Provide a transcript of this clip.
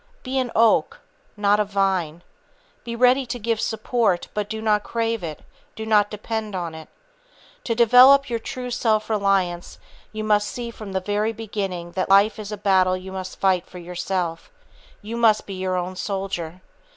Be an oak, not a vine. Be ready to give support, but do not crave it; do not be dependent on it. To develop your true self reliance, you must see from the very beginning that life is a battle you must fight for yourself, you must be your own soldier.